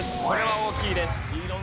これは大きいです。